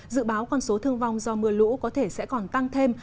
dự báo con số thương vong do mưa lũ có thể sẽ còn tăng thêm